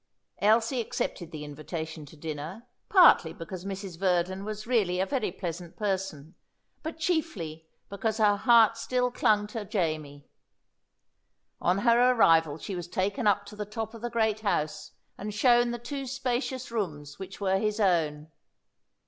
Elsie accepted the invitation to dinner, partly because Mrs. Verdon was really a very pleasant person, but chiefly because her heart still clung to Jamie. On her arrival she was taken up to the top of the great house, and shown the two spacious rooms which were his own.